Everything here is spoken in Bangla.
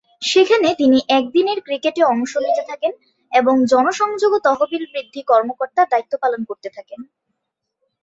সেখানে তিনি একদিনের ক্রিকেটে অংশ নিতে থাকেন এবং জনসংযোগ ও তহবিল বৃদ্ধি কর্মকর্তার দায়িত্ব পালন করতে থাকেন।